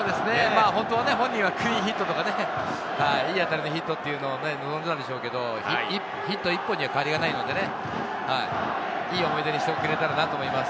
本当は本人はクリーンヒットとか、いい当たりのヒットを望んだでしょうけど、ヒット１本には変わりがないので、いい思い出にしてくれたらなと思います。